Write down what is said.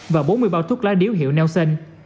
và bốn mươi bao thuốc lá điếu hiệu nelson